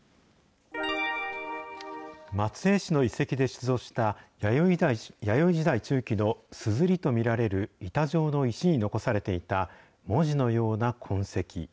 松江市の遺跡で出土した、弥生時代中期のすずりと見られる板状の石に残されていた文字のような痕跡。